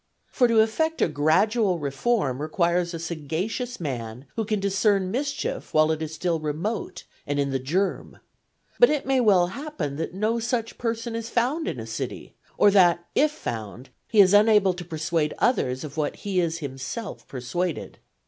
For to effect a gradual reform requires a sagacious man who can discern mischief while it is still remote and in the germ. But it may well happen that no such person is found in a city; or that, if found, he is unable to persuade others of what he is himself persuaded.